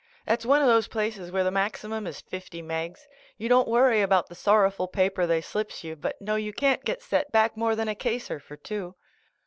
That's one of those places where the maximum is fifty megs. You don't worry about the sorrowful paper they slips you but know you can't get set back more than a caser for two.